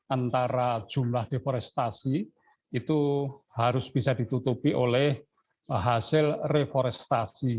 antara jumlah deforestasi itu harus bisa ditutupi oleh hasil reforestasi